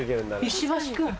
石橋君！